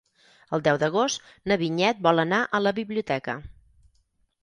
El deu d'agost na Vinyet vol anar a la biblioteca.